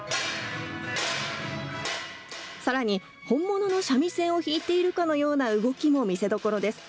さらに、本物の三味線を弾いているかのような動きも見せどころです。